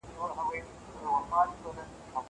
زه اوږده وخت واښه راوړم وم.